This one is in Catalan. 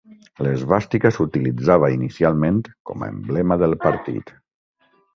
L'esvàstica s'utilitzava inicialment com a emblema del partit.